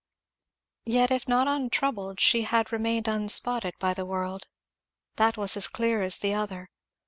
Yet if not untroubled she had remained unspotted by the world; that was as clear as the other.